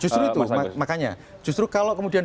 justru itu makanya justru kalau kemudian